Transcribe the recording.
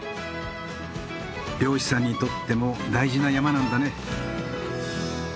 漁師さんにとっても大事な山なんだね。